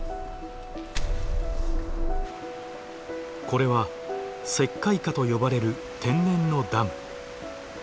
これは石灰華と呼ばれる天然のダム。